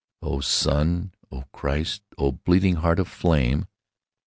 O Sun, O Christ, O bleeding Heart of flame!